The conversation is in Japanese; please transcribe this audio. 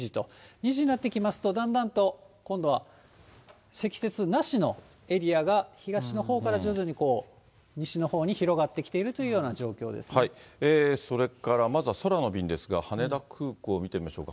２時になってきますと、だんだんと、今度は積雪なしのエリアが東のほうから徐々に西のほうに広がってそれからまずは空の便ですが、羽田空港を見てみましょうか。